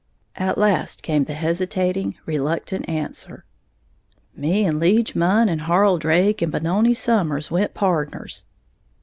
'"] At last came the hesitating, reluctant answer: "Me'n' Lige Munn and Harl Drake and Benoni Somers went pardners."